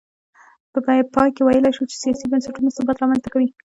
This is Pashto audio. په پای کې ویلای شو چې سیاسي بنسټونه ثبات رامنځته کوي.